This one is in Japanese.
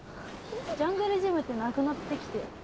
ジャングルジムってなくなってきたよね。